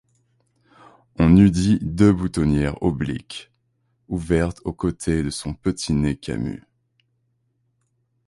On eût dit deux boutonnières obliques, ouvertes aux côtés de son petit nez camus.